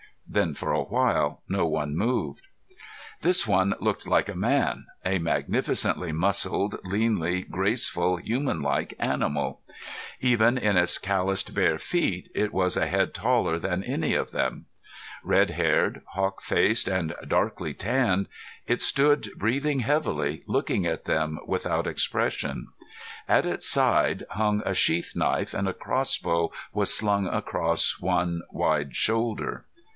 Then for a while no one moved. This one looked like a man, a magnificently muscled, leanly graceful, humanlike animal. Even in its callused bare feet, it was a head taller than any of them. Red haired, hawk faced and darkly tanned, it stood breathing heavily, looking at them without expression. At its side hung a sheath knife, and a crossbow was slung across one wide shoulder.